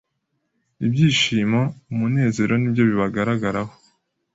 Ibyishimo ,umunezero nibyo bibagaragaraho